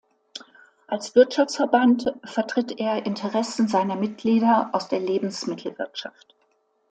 Als Wirtschaftsverband vertritt er Interessen seiner Mitglieder aus der Lebensmittelwirtschaft.